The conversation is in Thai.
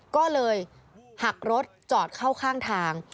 ก็เลยหักรถจอดเข้าข้างทาง